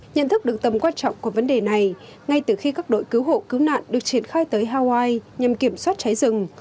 nhận thức được tầm quan trọng của vấn đề này ngay từ khi các đội cứu hộ cứu nạn được triển khai tới hawaii nhằm kiểm soát cháy rừng